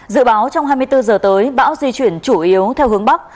dự báo trong hai mươi bốn giờ tới bão di chuyển chủ yếu theo hướng bắc